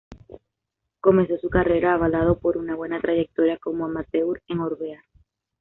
Comenzó su carrera avalado por una buena trayectoria como amateur en Orbea.